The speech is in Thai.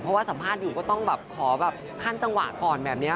เพราะว่าสัมภาษณ์อยู่ก็ต้องแบบขอแบบขั้นจังหวะก่อนแบบนี้